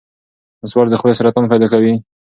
نسوار د خولې سرطان پیدا کوي.